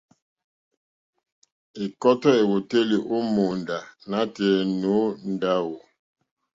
Ɛ̀kɔ́tɔ́ èwòtélì ó mòóndá nǎtɛ̀ɛ̀ nǒ ndáwù.